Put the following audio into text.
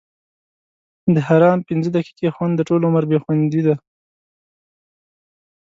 د حرام پنځه دقیقې خوند؛ د ټولو عمر بې خوندي ده.